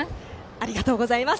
ありがとうございます。